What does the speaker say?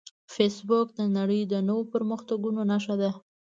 فېسبوک د نړۍ د نوو پرمختګونو نښه ده